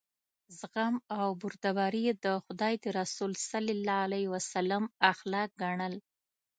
زغم او بردباري یې د خدای د رسول صلی الله علیه وسلم اخلاق ګڼل.